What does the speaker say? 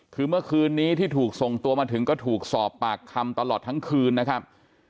คือเมื่อคืนนี้ที่ถูกส่งตัวมาถึงก็ถูกสอบปากคำตลอดทั้งคืนนะครับ